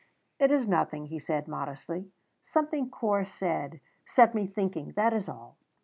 "It is nothing," he said modestly. "Something Corp said set me thinking; that is all."